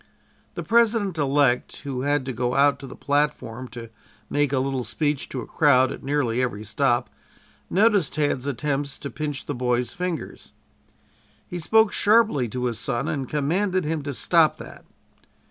The President elect, who had to go out to the platform to make a little speech to a crowd at nearly every stop, noticed Tad's attempts to pinch the boys' fingers. He spoke sharply to his son and commanded him to stop that.